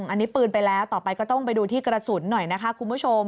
อันนี้ปืนไปแล้วต่อไปก็ต้องไปดูที่กระสุนหน่อยนะคะคุณผู้ชม